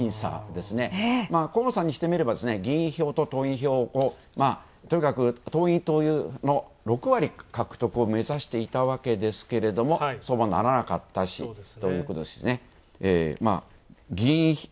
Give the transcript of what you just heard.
河野さんにしてみれば議員票と党員票、党員・党友の６割獲得を目指していたわけですけれどもそうはならなかったということですね。